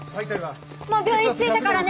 もう病院ついたからね。